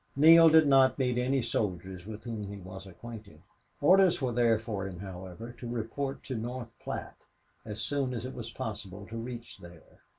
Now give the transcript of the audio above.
Neale did not meet any soldiers with whom he was acquainted. Orders were there for him, however, to report to North Platte as soon as it was possible to reach there.